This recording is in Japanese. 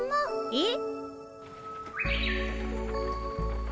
えっ？